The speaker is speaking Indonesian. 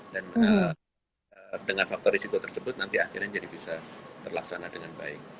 dan dengan faktor risiko tersebut nanti akhirnya jadi bisa terlaksana dengan baik